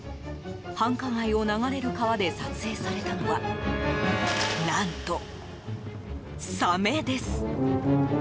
繁華街を流れる川で撮影されたのは何と、サメです。